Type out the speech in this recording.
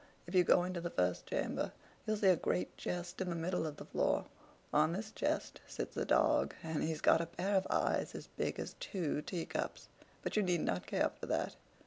If you go into the first chamber, you'll see a great chest in the middle of the floor; on this chest sits a dog, and he's got a pair of eyes as big as two teacups. But you need not care for that.